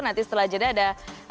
nanti setelah jeda ada